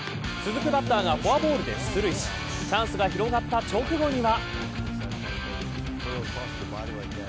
続くバッターがフォアボールで出塁しチャンスが広がった直後には。